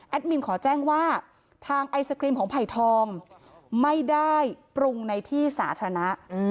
มินขอแจ้งว่าทางไอศครีมของไผ่ทองไม่ได้ปรุงในที่สาธารณะ